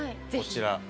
こちら。